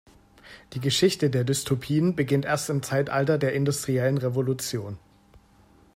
Die Geschichte der Dystopien beginnt erst im Zeitalter der industriellen Revolution.